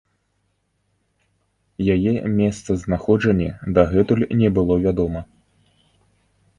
Яе месцазнаходжанне дагэтуль не было вядома.